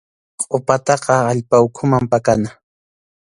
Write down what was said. Qʼupataqa allpa ukhuman pakana.